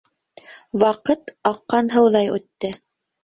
Ваҡыт аҡҡан һыуҙай үтте.